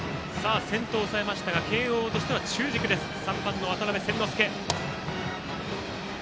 先頭を抑えましたが慶応としては中軸３番の渡邉千之亮。